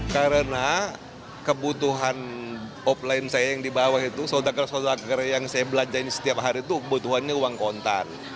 karena kebutuhan offline saya yang dibawa itu soldaker soldaker yang saya belanjain setiap hari itu kebutuhannya uang kontan